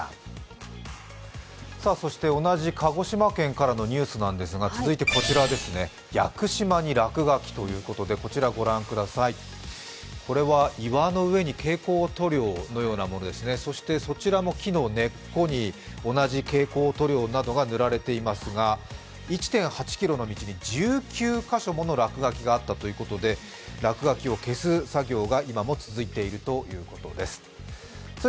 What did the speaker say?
そして同じ鹿児島県からのニュースですが続いてこちらですね、屋久島に落書きということでこちらご覧ください、これは岩の上に蛍光塗料のようなものですね、そして木の根っこに同じ蛍光塗料などが塗られていますが１．８ｋｍの道に１９か所もの落書きがあったということで落書きを消す作業が今も続いているということです。